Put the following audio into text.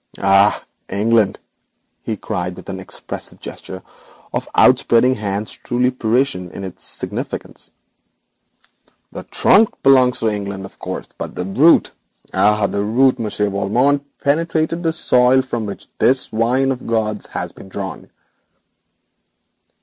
'Ah, England!' he cried, with an expressive gesture of outspreading hands truly Parisian in its significance. 'The trunk belongs to England, of course, but the root ah! the root Monsieur Valmont, penetrated the soil from which this wine of the gods has been drawn.'